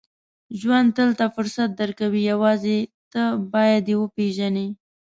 • ژوند تل ته فرصت درکوي، یوازې ته باید یې وپېژنې.